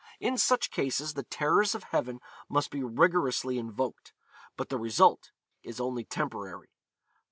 In such cases the terrors of Heaven must be rigorously invoked; but the result is only temporary.